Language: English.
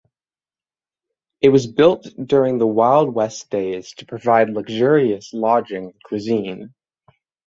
It was built during the Wild West days to provide luxurious lodging and cuisine.